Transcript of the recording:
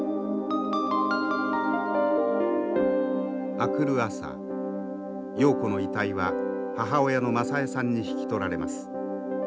明くる朝瑤子の遺体は母親の雅枝さんに引き取られます。